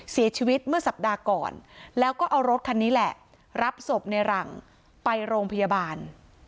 เสียชีวิตเมื่อสัปดาห์ก่อนแล้วก็เอารถคันนี้แหละรับศพในหลังไปโรงพยาบาล